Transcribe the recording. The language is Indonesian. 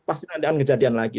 pasti nanti akan kejadian lagi